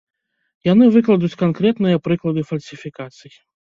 Яны выкладуць канкрэтныя прыклады фальсіфікацый.